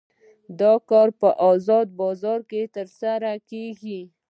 دا کار په ازاد بازار کې ترسره کیږي.